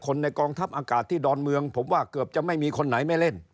ในกองทัพอากาศที่ดอนเมืองผมว่าเกือบจะไม่มีคนไหนไม่เล่น